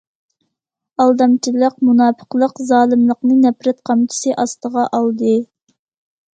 ئالدامچىلىق، مۇناپىقلىق، زالىملىقنى نەپرەت قامچىسى ئاستىغا ئالدى.